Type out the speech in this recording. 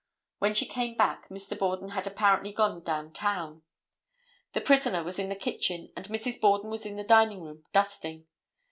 When she came back, Mr. Borden had apparently gone down town. The prisoner was in the kitchen and Mrs. Borden was in the dining room dusting.